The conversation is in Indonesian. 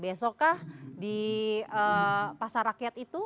besok kah di pasar rakyat itu